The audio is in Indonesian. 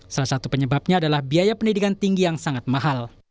salah satu penyebabnya adalah biaya pendidikan tinggi yang sangat mahal